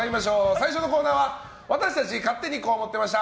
最初のコーナーは私たち勝手にこう思ってました！